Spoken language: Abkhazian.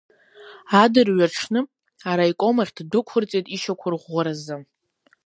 Адырҩаҽны араиком ахь ддәықәырҵеит ишьақәырӷәӷәаразы.